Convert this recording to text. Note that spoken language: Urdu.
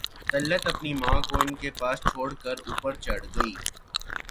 طلعت اپنی ماں کو ان کے پاس چھوڑ کر اوپر چڑھ گئی